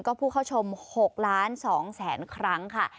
ก็ผู้เข้าชม๖ล้าน๒แสนครั้งค่ะ